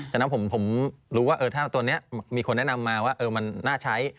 ฉะนั้นผมรู้ว่าถ้าตัวนี้มีคนแนะนำมาว่ามันน่าใช้